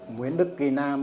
nguyễn đức kỳ nam